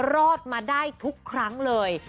รอดมาได้ทุกครั้งเลย